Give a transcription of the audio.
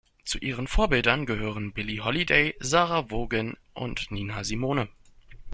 Zu ihren Vorbildern gehören Billie Holiday, Sarah Vaughan und Nina Simone.